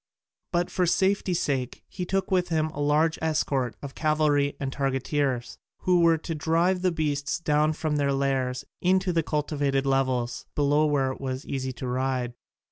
But for safety sake he took with him a large escort of cavalry and targeteers, who were to drive the beasts down from their lairs into the cultivated levels below where it was easy to ride.